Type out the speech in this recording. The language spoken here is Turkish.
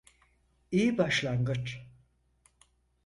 İyi başlangıç.